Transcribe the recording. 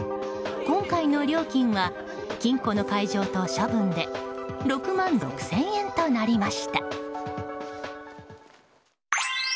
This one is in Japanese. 今回の料金は金庫の解錠と処分で６万６０００円となりました。